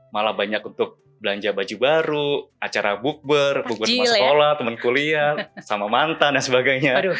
malah banyak untuk belanja baju baru acara bukber buku sama sekolah temen kuliah sama mantan dan sebagainya